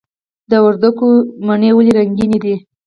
د وردګو مڼې ولې رنګینې دي؟